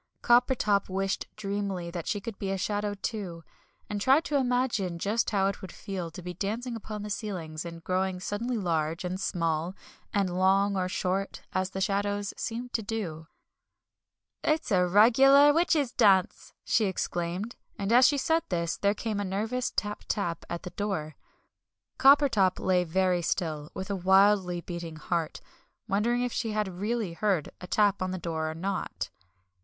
Coppertop wished dreamily that she could be a shadow too, and tried to imagine just how it would feel to be dancing upon the ceilings, and growing suddenly large and small, and long or short, as the shadows seemed to do. "It's a regular witches' dance!" she exclaimed. And as she said this, there came a nervous tap tap at the door. Coppertop lay very still, with a wildly beating heart, wondering if she had really heard a tap on the door or not.